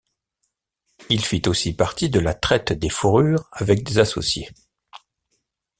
Il fit aussi partie de la traite des fourrures avec des associés.